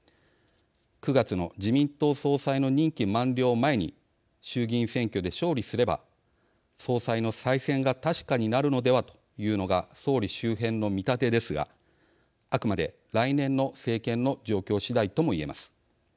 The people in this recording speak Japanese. ９月の自民党総裁の任期満了前に衆議院選挙で勝利すれば総裁の再選が確かになるのではというのが総理周辺の見立てですがあくまで来年の政権の状況次第とも言えます。